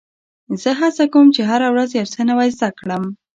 زه هڅه کوم، چي هره ورځ یو څه نوی زده کړم.